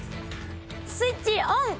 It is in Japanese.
スイッチオン！